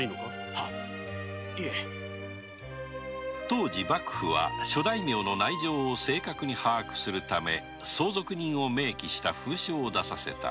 当時幕府は諸大名の内情を把握するため相続人を明記した封書を出させた。